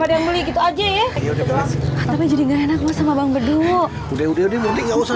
ada yang beli gitu aja ya udah jadi enak sama bang bedu udah udah udah nggak usah